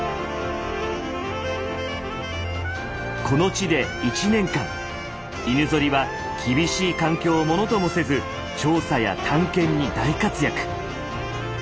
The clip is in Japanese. この地で１年間犬ゾリは厳しい環境をものともせず調査や探検に大活躍。